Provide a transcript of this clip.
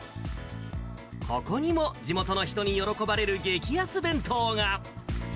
ここにも地元の人に喜ばれる激安弁当が。